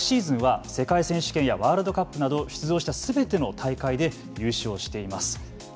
昨シーズンは世界選手権やワールドカップなど出場したすべての大会で優勝しています。